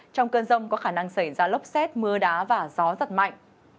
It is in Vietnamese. trong cơn rông có khả năng xảy ra lốc xét mưa đá và gió giật mạnh